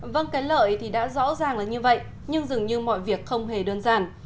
vâng cái lợi thì đã rõ ràng là như vậy nhưng dường như mọi việc không hề đơn giản